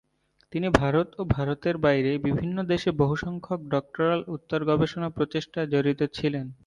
তিনি ভারত ও ভারতের বাইরে বিভিন্ন দেশে বহুসংখ্যক ডক্টরাল-উত্তর গবেষণা প্রচেষ্টায় জড়িত ছিলেন।